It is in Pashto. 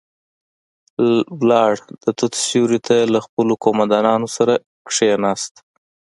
لاړ، د توت سيورې ته له خپلو قوماندانانو سره کېناست.